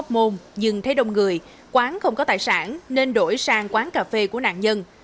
học môn nhưng thấy đông người quán không có tài sản nên đổi sang quán cà phê của nạn nhân